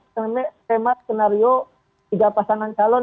tema kenario tiga pasangan calon